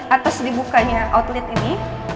atas dibukanya outlet ini